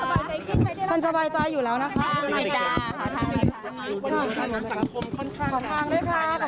ขอบพังแท้คะขอบคุณมากค่ะ